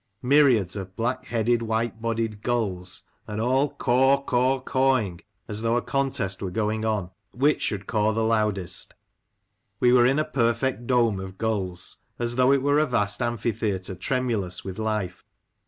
Myriads of black headed, white bodied gulls, and all caw, caw, cawing, as though a contest were going on which should caw the loudest. We were in a perfect dome of gulls ; as though it were a vast amphitheatre, tremulous with life.